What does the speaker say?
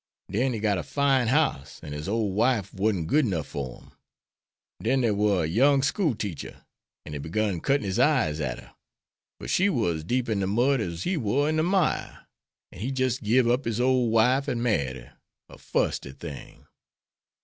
Den he got a fine house, an' his ole wife warn't good 'nuff for him. Den dere war a young school teacher, an' he begun cuttin' his eyes at her. But she war as deep in de mud as he war in de mire, an' he jis' gib up his ole wife and married her, a fusty thing.